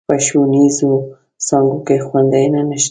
په ښوونيزو څانګو کې خونديينه نشته.